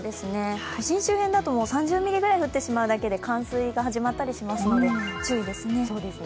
都心周辺だと３０ミリぐらい降ってしまうだけで冠水が始まったりしますので注意ですね。